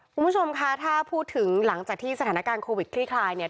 คุณผู้ชมคะถ้าพูดถึงหลังจากที่สถานการณ์โควิดคลี่คลายเนี่ย